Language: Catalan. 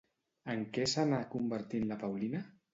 En què s'anà convertint la Paulina?